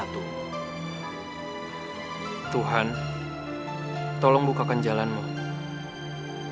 ketika lo sudah menangis